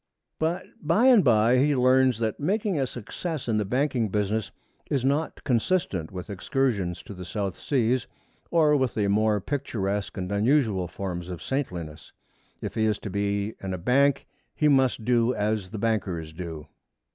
But by and by he learns that making a success in the banking business is not consistent with excursions to the South Seas or with the more picturesque and unusual forms of saintliness. If he is to be in a bank he must do as the bankers do.